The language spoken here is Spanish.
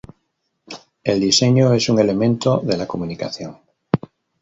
El diseño es un elemento de la comunicación.